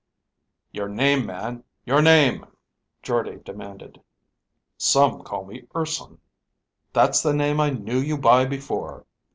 "Your name, man, your name," Jordde demanded. "Some call me Urson." "That's the name I knew you by before!